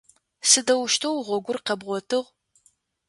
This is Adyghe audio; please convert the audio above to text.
Сыдэущтэу гъогур къэбгъотыгъ?